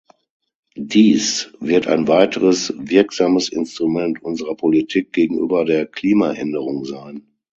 Dies wird ein weiteres wirksames Instrument unserer Politik gegenüber der Klimaänderung sein.